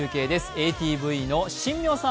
ＡＴＶの新名さん